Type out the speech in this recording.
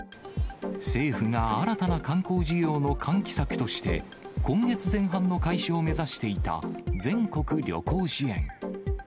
政府が新たな観光需要の喚起策として、今月前半の開始を目指していた全国旅行支援。